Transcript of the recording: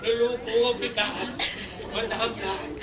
แล้วลูกมันก็ไม่การมันทำการ